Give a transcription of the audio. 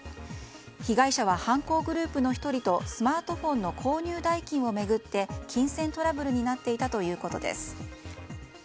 被害者は犯行グループの１人とスマートフォンの購入代金を巡って金銭トラブルになっていたということです。